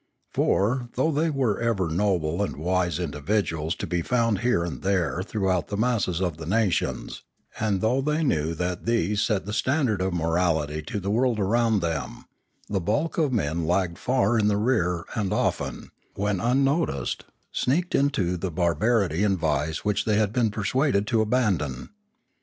For, though there were ever noble and wise individuals to be found here and there throughout the masses of the nations, and though they knew that these set the standard of morality to the world around them, the bulk of men lagged far in 568 Limanora the rear and often, when unnoticed, sneaked into the barbarity and vice which they had been persuaded to abandon.